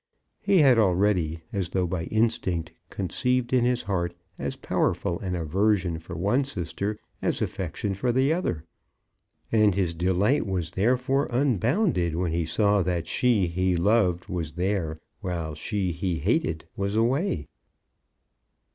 He had already, as though by instinct, conceived in his heart as powerful an aversion for one sister as affection for the other, and his delight was therefore unbounded when he saw that she he loved was there, while she he hated was away.